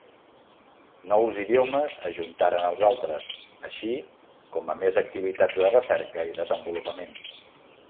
Nous idiomes ajuntaren als altres, així com a més activitats de recerca i desenvolupament.